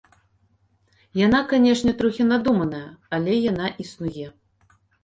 Яна, канешне, трохі надуманая, але яна існуе.